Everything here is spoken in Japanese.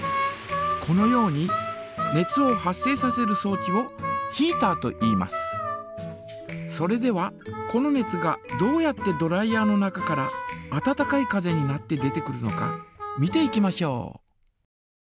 このように熱を発生させるそう置をそれではこの熱がどうやってドライヤ−の中から温かい風になって出てくるのか見ていきましょう。